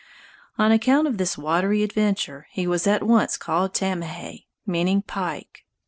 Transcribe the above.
On account of this watery adventure he was at once called Tamahay, meaning Pike.